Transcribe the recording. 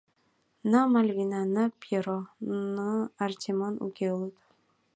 Ны Мальвина, ны Пьеро, ны Артемон уке улыт.